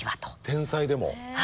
天才でも。